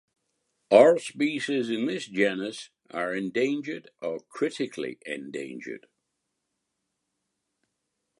All species in this genus are endangered or critically endangered.